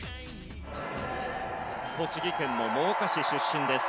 栃木県の真岡市出身です。